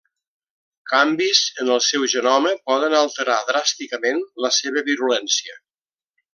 Canvis en el seu genoma poden alterar dràsticament la seva virulència.